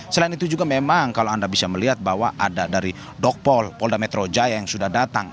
selain itu juga memang kalau anda bisa melihat bahwa ada dari dokpol polda metro jaya yang sudah datang